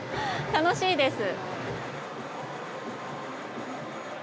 楽しいです！